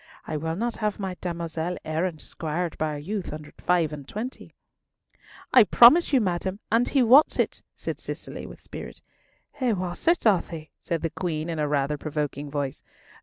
I will not have my damosel errant squired by a youth under five and twenty." "I promised you, madam, and he wots it," said Cicely, with spirit. "He wots it, doth he?" said the Queen, in rather a provoking voice.